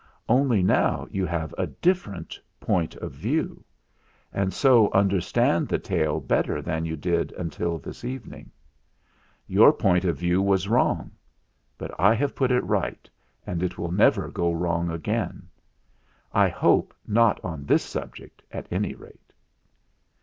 Only now you have a different Point of View, and so understand the tale better than you did until this evening. Your Point of View was wrong. But I have put it right, and it will never go wrong again, I hope not on this subject at any rate.